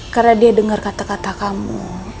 karena dia dengar kata kata kamu